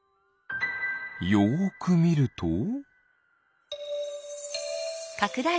よくみると。